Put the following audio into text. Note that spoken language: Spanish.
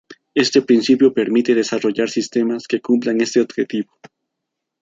Este principio permite desarrollar sistemas que cumplan este objetivo.